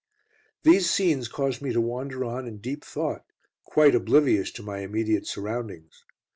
These scenes caused me to wander on in deep thought, quite oblivious to my immediate surroundings.